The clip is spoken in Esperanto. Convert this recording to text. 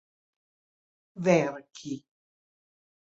verki